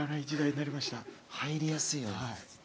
入りやすいように。